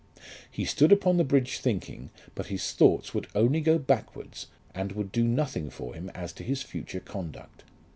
He stood upon the bridge thinking, but his thoughts would only go backwards, and would do nothing for him as to his future conduct.